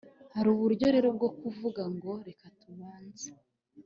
hari uburyo rero bwo kuvuga ngo reka tubanze